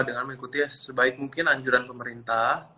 dengan mengikuti sebaik mungkin anjuran pemerintah